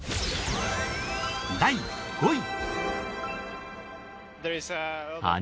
第５位。